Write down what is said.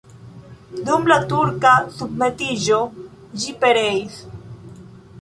Dum la turka submetiĝo ĝi pereis.